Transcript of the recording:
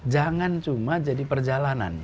jangan cuma jadi perjalanan